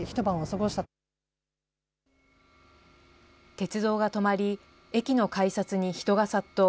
鉄道が止まり、駅の改札に人が殺到。